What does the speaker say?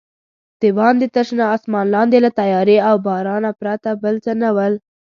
دباندې تر شنه اسمان لاندې له تیارې او بارانه پرته بل څه نه ول.